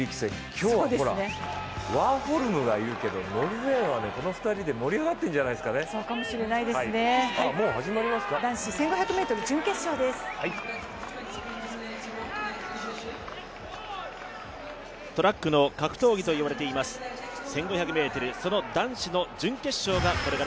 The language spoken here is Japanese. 今日はワーホルムがいるけどノルウェーはこの２人で盛り上がっているんじゃないですか。